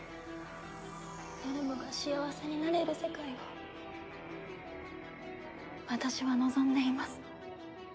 誰もが幸せになれる世界を私は望んでいます。